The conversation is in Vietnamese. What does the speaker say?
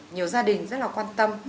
nhiều gia đình rất là quan tâm